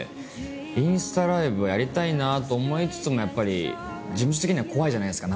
インスタライブをやりたいなと思いつつもやっぱり事務所的には怖いじゃないですか